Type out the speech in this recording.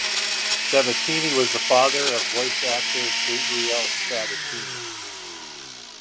Sabatini was the father of voice actor Gabriele Sabatini.